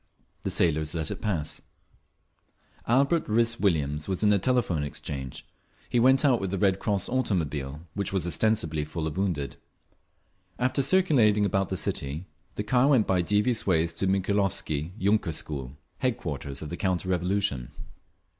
The sailors let it pass…. Albert Rhys Williams was in the Telephone Exchange. He went out with the Red Cross automobile, which was ostensibly full of wounded. After circulating about the city, the car went by devious ways to the Mikhailovsky yunker school, headquarters of the counter revolution.